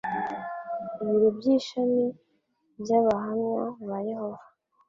ibiro by'ishami by'Abahamya ba Yehova